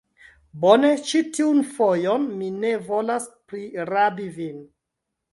Bone, ĉi tiun fojon mi ne volas prirabi vin.